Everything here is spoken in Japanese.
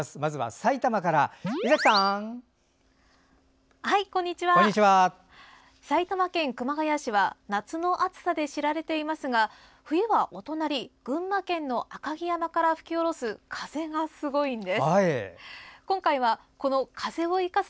埼玉県熊谷市は夏の暑さで知られていますが冬はお隣、群馬県の赤城山から吹き降ろす風がすごいんです。